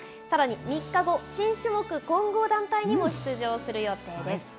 さらに３日後、新種目、混合団体にも出場する予定です。